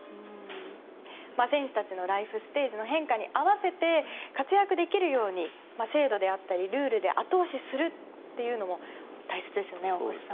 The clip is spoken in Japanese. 選手たちのライフステージの変化に合わせて活躍できるように制度であったりルールで後押しするというのも大切ですよね、大越さん。